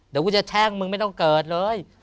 เดี๋ยวกูจะแช่งมึงไม่ต้องเกิดเลย